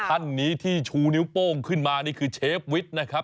ท่านนี้ที่ชูนิ้วโป้งขึ้นมานี่คือเชฟวิทย์นะครับ